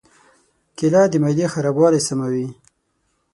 کېله د معدې خرابوالی سموي.